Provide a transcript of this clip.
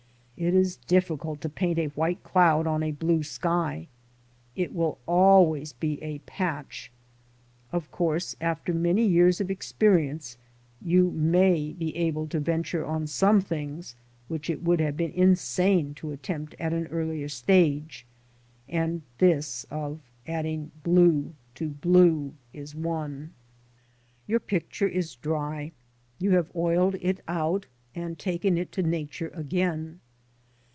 It is difficult to paint a white cloud on a blue sky. It will always be a patch. Of course, after many years of experience you may be able to venture on some things which it would have been insane to attempt at an earlier stage, and this of adding blue to blue is one. 104 LANDSCAPE PAINTING IN OIL COLOUR. Your picture is dry; you have oiled it out, and taken it to Nature again.